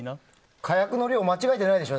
火薬の量、間違えてないでしょ。